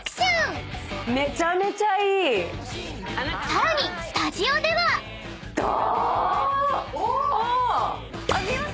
［さらにスタジオでは］だ！